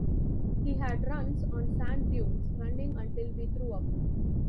We had runs on sand-dunes, running until we threw up.